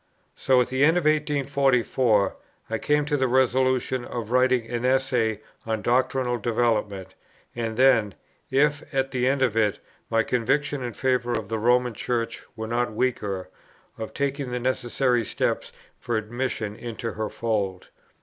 So, at the end of 1844, I came to the resolution of writing an Essay on Doctrinal Development; and then, if, at the end of it, my convictions in favour of the Roman Church were not weaker, of taking the necessary steps for admission into her fold.